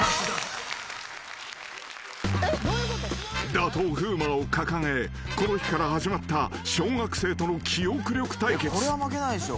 ［打倒風磨を掲げこの日から始まった小学生との記憶力対決］